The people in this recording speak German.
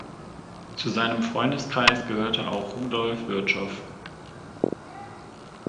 Zu seinem Freundeskreis gehörte auch Rudolf Virchow.